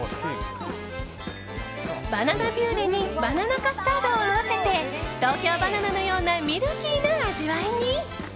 バナナピューレにバナナカスタードを合わせて東京ばな奈のようなミルキーな味わいに。